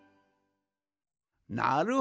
なるほど！